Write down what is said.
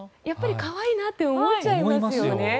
やっぱり可愛いなって思っちゃいいますよね。